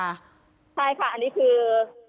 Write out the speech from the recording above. ใช่ค่ะอันนี้คือ